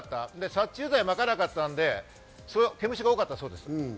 殺虫剤を撒かなかったので毛虫が多かったそうです。